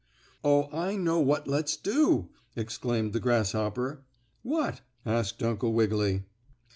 "Oh, I know what let's do," exclaimed the grasshopper. "What?" asked Uncle Wiggily.